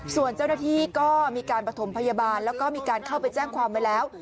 ส่วนเจ้าหน้าที่ก็มีการประถมพยาบาลแล้วก็มีการเข้าไปแจ้งความไว้แล้ว